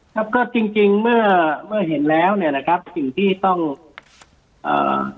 ครับก็จริงจริงเมื่อเมื่อเห็นแล้วเนี่ยนะครับสิ่งที่ต้องเอ่อ